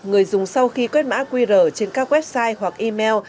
người dùng sau khi quét mã qr trên các website hoặc email